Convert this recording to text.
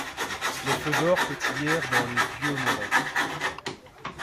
Les feux d'or pétillèrent dans les yeux mauresques.